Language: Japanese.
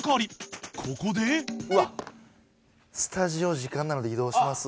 うわっ「スタジオ時間なので移動します」？